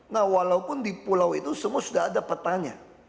nah walaupun di pulau itu semua sudah ada petanya